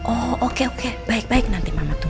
oh oke oke baik baik nanti mama tunggu ya